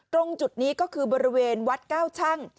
ตรงจุดนี้ก็คือบริเวณวัดเก้าชั่ง